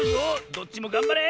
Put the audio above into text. どっちもがんばれ！